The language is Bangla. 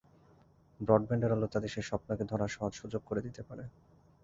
ব্রডব্যান্ডের আলো তাদের সেই স্বপ্নকে ধরার সহজ সুযোগ করে দিতে পারে।